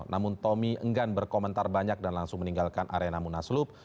namun tommy enggan berkomentar banyak dan langsung meninggalkan arena munaslup